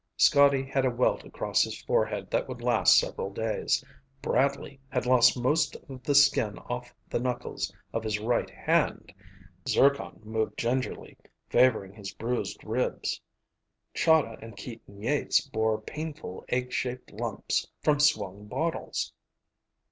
Scotty had a welt across his forehead that would last several days. Bradley had lost most of the skin off the knuckles of his right hand. Zircon moved gingerly, favoring his bruised ribs. Chahda and Keaton Yeats bore painful egg shaped lumps from swung bottles.